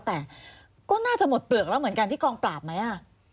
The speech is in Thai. แต่ก็น่าจะหมดเปลือกแล้วเหมือนกันที่กองปราบไหม